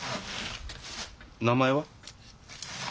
名前は？